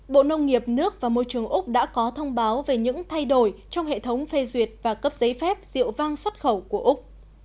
bộ nông nghiệp nước và môi trường úc đã có thông báo về những thay đổi trong hệ thống phê duyệt và cấp giấy phép rượu vang xuất khẩu của úc